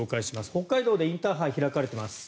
北海道でインターハイが開かれています。